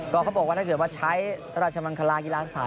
ก็เขาบอกว่าถ้าเกิดว่าใช้ราชมังคลากีฬาสถาน